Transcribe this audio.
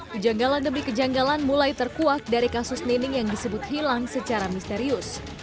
kejanggalan demi kejanggalan mulai terkuak dari kasus nining yang disebut hilang secara misterius